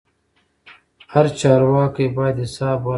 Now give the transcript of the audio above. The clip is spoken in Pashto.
هر چارواکی باید حساب ورکړي